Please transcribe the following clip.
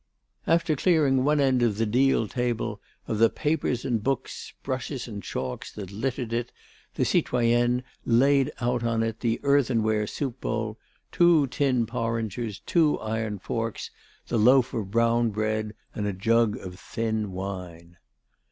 After clearing one end of the deal table of the papers and books, brushes and chalks that littered it, the citoyenne laid out on it the earthenware soup bowl, two tin porringers, two iron forks, the loaf of brown bread and a jug of thin wine.